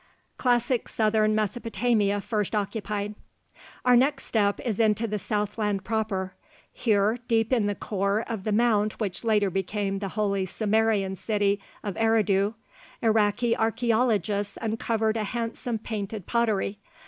CLASSIC SOUTHERN MESOPOTAMIA FIRST OCCUPIED Our next step is into the southland proper. Here, deep in the core of the mound which later became the holy Sumerian city of Eridu, Iraqi archeologists uncovered a handsome painted pottery.